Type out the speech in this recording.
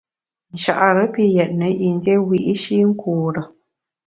Nchare pi yètne yin dié wiyi’shi nkure.